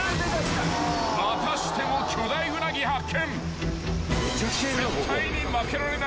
［またしても巨大ウナギ発見］